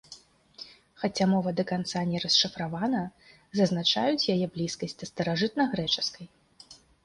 Хаця мова да канца не расшыфравана, зазначаюць яе блізкасць да старажытнагрэчаскай.